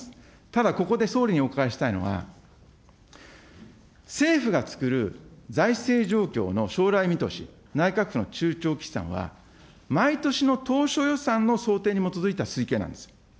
ただここで総理にお伺いしたいのは、政府が作る財政状況の将来見通し、内閣府の中長期試算は毎年の当初予算の想定に基づいた推計なんです。